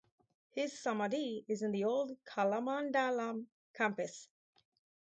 His Samadhi is in the old Kalamandalam campus.